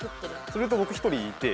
それと僕一人いて。